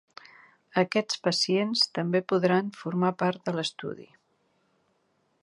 Aquests pacients també podran formar part de l’estudi.